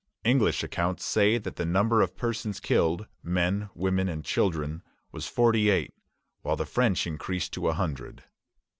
English accounts say that the number of persons killed men, women, and children was forty eight; which the French increase to a hundred.